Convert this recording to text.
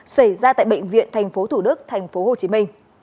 xảy ra tại bệnh viện thành phố thủ đức thành phố hồ chí minh